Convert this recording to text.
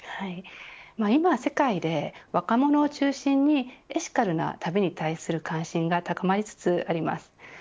今、世界で若者を中心にエシカルな旅に対する関心が高まりつつあります。